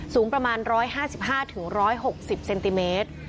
สูงประมาณ๑๕๕๑๖๐เซนติเมตร